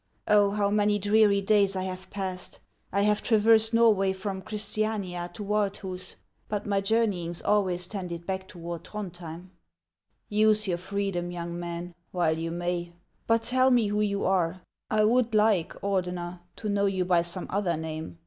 Oh, how many dreary days I have passed : I have traversed Norway from Christ iauia to Wardhus : but my journeying? always tended back toward Throndhjem." " Use your freedom, youns man. while you may. But tell me who you are. I would like, Ordener. to know you by some other name.